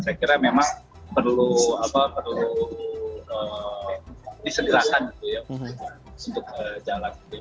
saya kira memang perlu disedihkan untuk berjalan